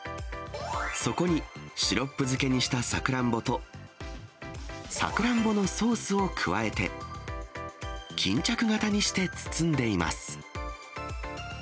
そこに、シロップ漬けにしたさくらんぼと、さくらんぼのソースを加えて、巾着型にして包んでいます。